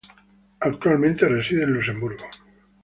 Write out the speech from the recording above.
Actualmente reside en Luxemburgo.